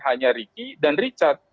hanya ricky dan richard